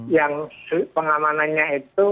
yang pengamanannya itu